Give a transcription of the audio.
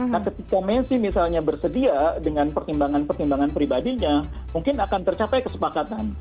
nah ketika messi misalnya bersedia dengan pertimbangan pertimbangan pribadinya mungkin akan tercapai kesepakatan